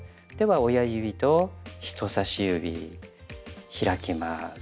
では親指と人さし指開きます。